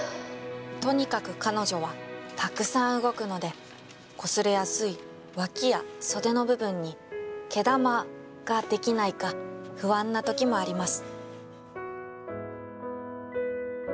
「とにかく彼女はたくさん動くのでこすれやすい脇や袖の部分に毛玉が出来ないか不安な時もあります」。